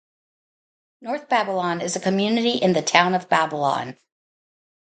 North Babylon is a community in the Town of Babylon.